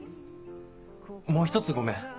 もう一つごめん